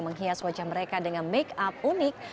menghias wajah mereka dengan make up unik